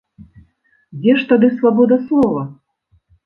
Дзе ж тады свабода слова?